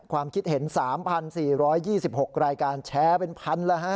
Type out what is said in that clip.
ความคิดเห็น๓๔๒๖รายการแชร์เป็นพันแล้วฮะ